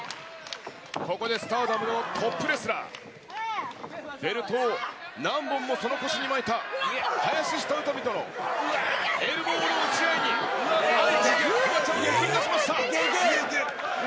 ここでスターダムのトップレスラー、ベルトを何本もその腰に巻いた林下詩美とのエルボーの打ち合いに、フワちゃんも打ち返しました。